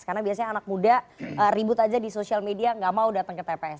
karena biasanya anak muda ribut aja di sosial media gak mau datang ke tps